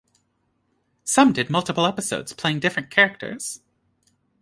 Some did multiple episodes playing different characters.